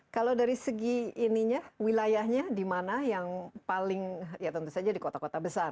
kalau dari segi ininya wilayahnya di mana yang paling ya tentu saja di kota kota besar